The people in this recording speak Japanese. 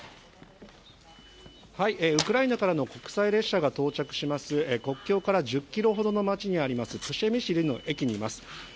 ウクライナからの国際列車が到着します、国境から１０キロほどの街にあります、プシェミシルの駅にいます。